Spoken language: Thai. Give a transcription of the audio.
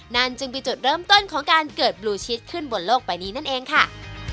นั่นจึงเป็นจุดเริ่มต้นของการเกิดบลูชิสขึ้นบนโลกใบนี้นั่นเองค่ะ